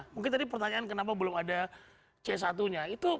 mungkin tadi pertanyaan kenapa belum ada c satu nya